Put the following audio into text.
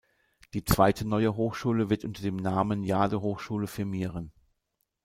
Die zweite neue Hochschule wird unter dem Namen Jade Hochschule firmieren.